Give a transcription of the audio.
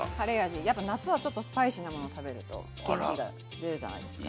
やっぱ夏はちょっとスパイシーなものを食べると元気が出るじゃないですか。